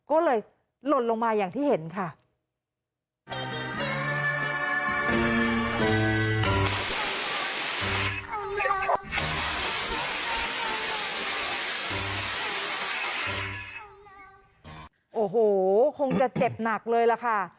โอ้โหคงจะเจ็บหนักเลยล่ะค่ะ